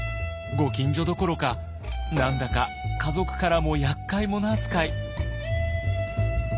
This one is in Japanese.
ご近所どころか何だか家族からもやっかい者扱い。